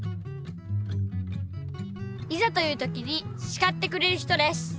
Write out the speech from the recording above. いざという時にしかってくれる人です。